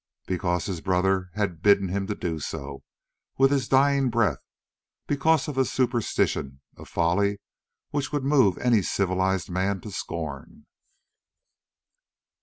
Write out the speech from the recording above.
Because his brother had bidden him to do so with his dying breath; because of a superstition, a folly, which would move any civilised man to scorn.